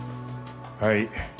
はい。